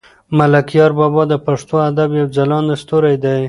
ملکیار بابا د پښتو ادب یو ځلاند ستوری دی.